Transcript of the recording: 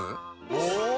お！